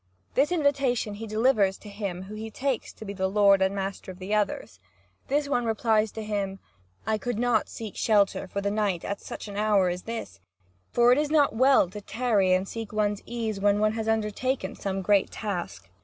This invitation he delivers to him whom he takes to be the lord and master of the others. And this one replies to him: "I could not seek shelter for the night at such an hour as this; for it is not well to tarry and seek one's ease when one has undertaken some great task.